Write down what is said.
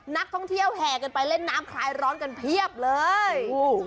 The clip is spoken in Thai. นักท่องเที่ยวแห่กันไปเล่นน้ำคลายร้อนกันเพียบเลย